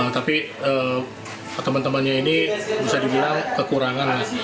tapi teman temannya ini bisa dibilang kekurangan